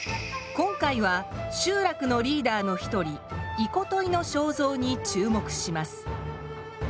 今回は集落のリーダーの一人イコトイの肖像に注目します。